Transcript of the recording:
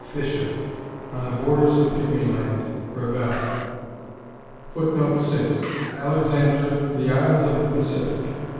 Fisher, "On the Borders of Pigmy Land." Revell. Alexander, "The Islands of the Pacific."